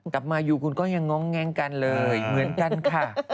กลับมาอยู่คุณก็ยังง้องแง้งกันเลยเหมือนกันค่ะ